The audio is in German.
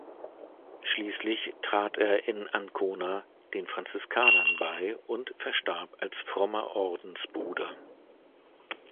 Schließlich trat er in Ancona den Franziskanern bei und verstarb als frommer Ordensbruder.